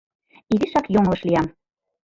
Изишак йоҥылыш лиям.